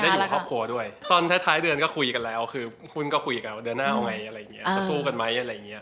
อยู่ครอบครัวด้วยตอนท้ายเดือนก็คุยกันแล้วคือหุ้นก็คุยกันว่าเดือนหน้าเอาไว้อะไรอย่างนี้จะสู้กันไหมอะไรอย่างเงี้ย